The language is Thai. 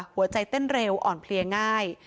หัวใจเต้นเร็วอ่อนเพลียง่าย